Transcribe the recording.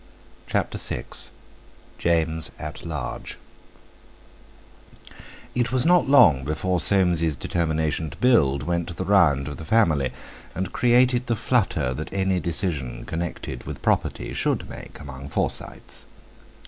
CHAPTER VI JAMES AT LARGE It was not long before Soames's determination to build went the round of the family, and created the flutter that any decision connected with property should make among Forsytes.